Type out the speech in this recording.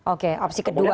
oke opsi kedua ya